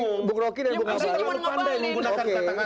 anda terlalu pandai menggunakan kata kata